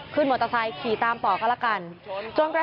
กระทั่งตำรวจก็มาด้วยนะคะ